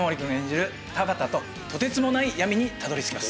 田端ととてつもない闇にたどり着きます。